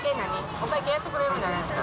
お会計やってくれるんじゃないですか。